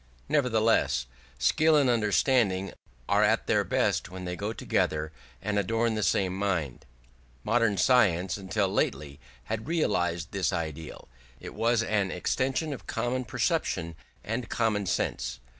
Nevertheless, skill and understanding are at their best when they go together and adorn the same mind. Modern science until lately had realised this ideal: it was an extension of common perception and common sense.